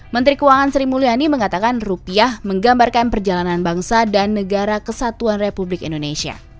menteri keuangan sri mulyani mengatakan rupiah menggambarkan perjalanan bangsa dan negara kesatuan republik indonesia